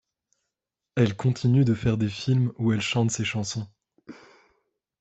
Elle continue de faire des films où elle chante ses chansons.